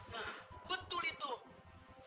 nah betul itu